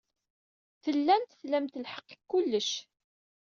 Tellamt tlamt lḥeqq deg kullec.